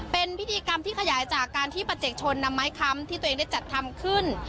เป็นพิธีกรรมที่ขยายจากการที่ประชาชนนำไม้คำที่ตัวเองได้จัดทำขึ้น